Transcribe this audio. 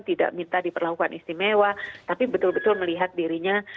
tidak minta diperlakukan istimewa tapi betul betul melihat dirinya